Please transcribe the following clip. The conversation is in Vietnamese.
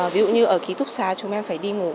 ví dụ như ở ký túc xá chúng em phải đi ngủ